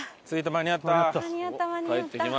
間に合った間に合った。